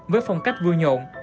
với phong cách vui nhộn